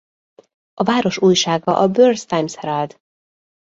A város újsága a Burns Times-Herald.